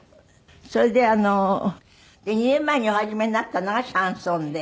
それで２年前にお始めになったのがシャンソンで？